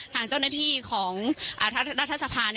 ทางเจ้าหน้าที่ของรัฐสภา